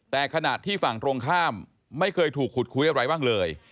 แต่ขณะที่ฝั่งตรงข้ามไม่เคยถูกขุดคุยอะไรบ้างเลย